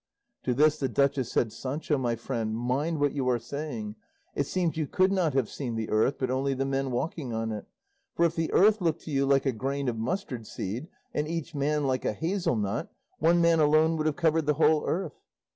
To this the duchess said, "Sancho, my friend, mind what you are saying; it seems you could not have seen the earth, but only the men walking on it; for if the earth looked to you like a grain of mustard seed, and each man like a hazel nut, one man alone would have covered the whole earth."